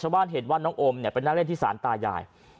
บ้านเห็นว่าน้องโอมเนี่ยไปนั่งเล่นที่สารตายาย